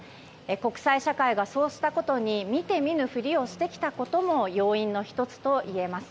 国際社会がそうしたことに見て見ぬ振りをしてきたことも要因の１つといえます。